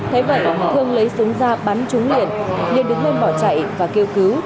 thế vậy thương lấy súng ra bắn trúng liền liền đứng lên bỏ chạy và kêu cứu